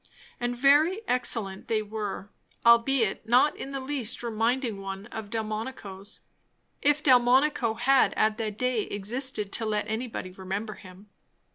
And very excellent they were, albeit not in the least reminding one of Delmonico's; if Delmonico had at that day existed to let anybody remember him.